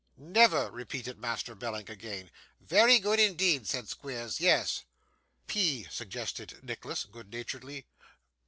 'Never,' repeated Master Belling again. 'Very good indeed,' said Squeers. 'Yes.' 'P,' suggested Nicholas, good naturedly.